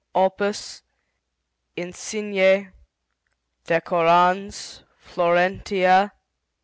OPUS . INSIGNE . DECORANS . FLORENTIA